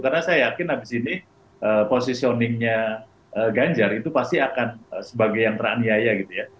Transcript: karena saya yakin abis ini positioning nya ganjar itu pasti akan sebagai yang teraniaya gitu ya